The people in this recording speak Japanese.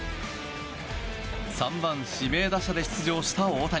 ３番、指名打者で出場した大谷。